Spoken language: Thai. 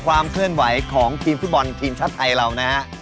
ความเคลื่อนไหวของทีมฟุตบอลทีมชาติไทยเรานะฮะ